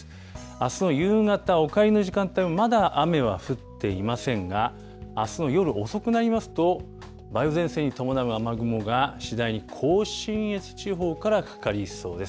あすの夕方、おかえりの時間帯もまだ雨は降っていませんが、あすの夜遅くなりますと、梅雨前線に伴う雨雲が次第に甲信越地方からかかりそうです。